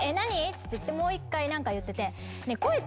って言ってもう１回何か言ってて。